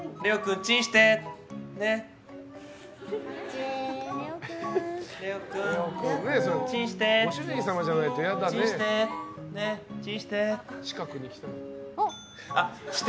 チンして。